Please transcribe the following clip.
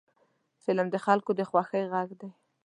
فلم د خلکو د خوښۍ غږ دی